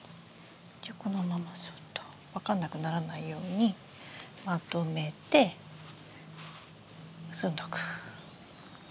じゃこのままそっと分かんなくならないようにまとめて結んどく。